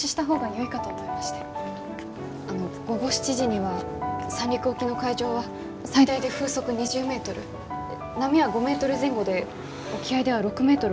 あの午後７時には三陸沖の海上は最大で風速２０メートル波は５メートル前後で沖合では６メートルを超えると予想されています。